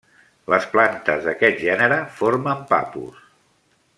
Les plantes d'aquest gènere formen papus.